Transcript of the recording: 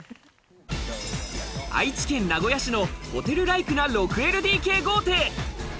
愛知県名古屋市のホテルライクな６ＬＤＫ豪邸。